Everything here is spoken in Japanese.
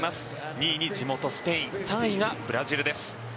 ２位に地元スペイン３位がブラジルです。